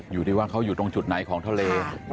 อยู่ที่ว่าเขาอยู่ตรงจุดไหนของทะเล